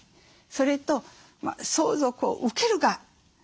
それと相続を受ける側。